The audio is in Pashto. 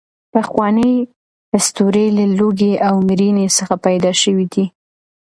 پخوانۍ اسطورې له لوږې او مړینې څخه پیدا شوې دي.